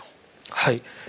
はい。